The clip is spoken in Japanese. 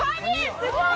すごい！